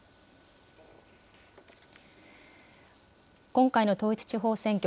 今回の統一地方選挙